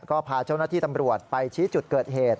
ก็พาเจ้าหน้าที่ตำรวจไปชี้จุดเกิดเหตุ